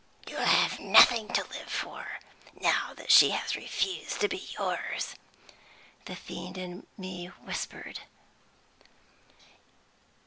"You have nothing to live for, now that she has refused to be yours," the fiend in me whispered.